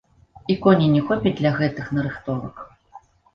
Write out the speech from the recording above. І коней не хопіць для гэтых нарыхтовак.